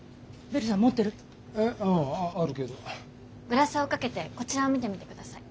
グラスをかけてこちらを見てみてください。